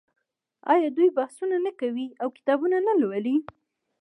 آیا دوی بحثونه نه کوي او کتاب نه لوالي؟